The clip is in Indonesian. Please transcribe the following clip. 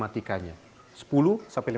dan ada juga problematikanya